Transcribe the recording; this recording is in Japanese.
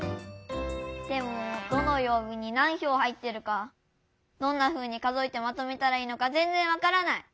でもどのよう日に何ひょう入ってるかどんなふうに数えてまとめたらいいのかぜんぜんわからない！